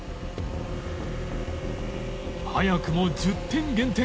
早くも１０点減点